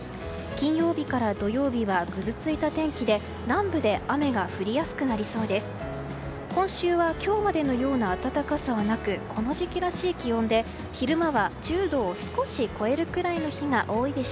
金曜日から土曜日はぐずついた天気で南部で雨が降りやすくなりそうです。